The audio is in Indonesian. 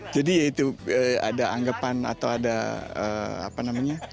jadi itu ada anggapan atau ada apa namanya